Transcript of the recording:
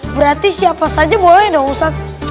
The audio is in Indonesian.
berarti siapa saja boleh dong ustadz